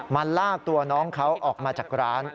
ลากตัวน้องเขาออกมาจากร้าน